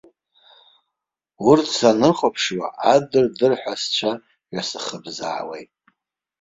Урҭ санрыхәаԥшуа адырдырҳәа сцәа ҩасхыбзаауеит.